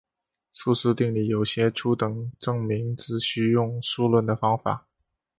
素数定理有些初等证明只需用数论的方法。